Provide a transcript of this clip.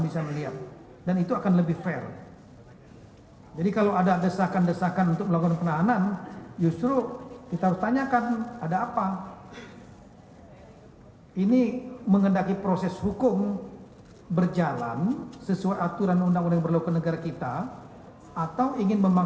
silakan nanti peradilannya akan terbuka